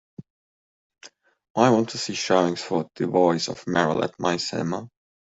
I want to see showings for The Voice of Merrill at my cinema.